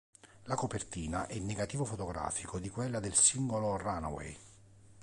La copertina è il negativo fotografico di quella del singolo "Runaway".